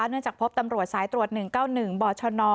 เนื่องจากพบตำรวจสายตรวจ๑๙๑บอร์ชน